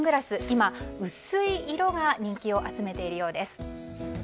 今、薄い色が人気を集めているようです。